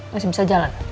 masih bisa jalan